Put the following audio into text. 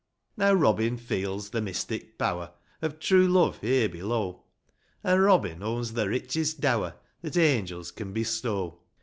Now Robin feels the mystic power Of true love here below, An' Robin owns the richest dower That angels can bestow